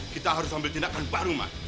kita harus ambil tindakan baru mbak